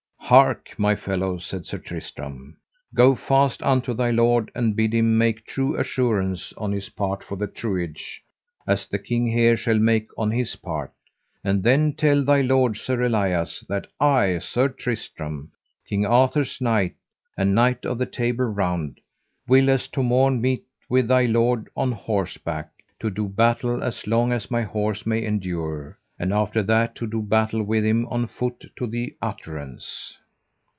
Hark, my fellow, said Sir Tristram, go fast unto thy lord, and bid him make true assurance on his part for the truage, as the king here shall make on his part; and then tell thy lord, Sir Elias, that I, Sir Tristram, King Arthur's knight, and knight of the Table Round, will as to morn meet with thy lord on horseback, to do battle as long as my horse may endure, and after that to do battle with him on foot to the utterance.